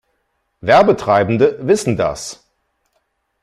Werbetreibende wissen das.